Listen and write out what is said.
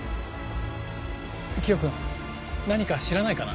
キヨ君何か知らないかな？